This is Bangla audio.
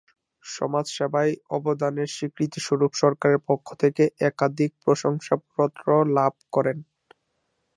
সমাজ সেবায় অবদানের স্বীকৃতি স্বরূপ সরকারের পক্ষ থেকে একাধিক প্রশংসাপত্র লাভ করেন।